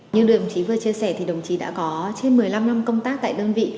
như đồng chí vừa chia sẻ thì đồng chí đã có trên một mươi năm năm công tác tại đơn vị